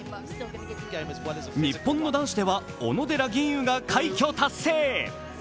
日本の男子では小野寺吟雲が快挙達成。